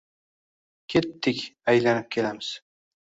Kettik aylanib kelamiz.